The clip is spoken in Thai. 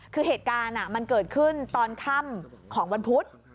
คือเหตุการณ์มันเกิดขึ้นตอนค่ำของวันพุธ